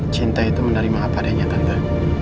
cinta itu menerima apa adanya tante